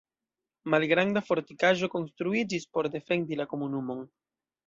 Malgranda fortikaĵo konstruiĝis por defendi la komunumon.